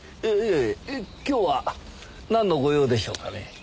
えっ今日はなんのご用でしょうかね？